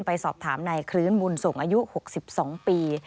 ไปสอบถามนายคลื้นบุญส่งอายุ๖๒ปี